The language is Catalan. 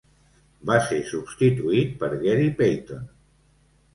Va ser substituït per Gary Payton.